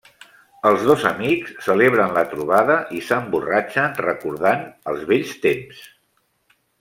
Els dos amics celebren la trobada i s'emborratxen recordant els vells temps.